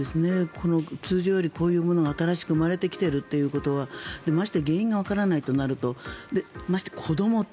通常よりこういうものが新しく生まれてきているということは原因がわからないとなるとまして、子ども。